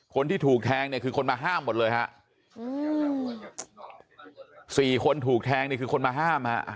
คนที่ถูกแทงเนี่ยคือคนมาห้ามหมดเลยฮะอืมสี่คนถูกแทงนี่คือคนมาห้ามฮะ